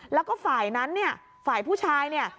แล้วก็ฝ่ายนั้นเนี่ยฝ่ายผู้ชายเนี่ย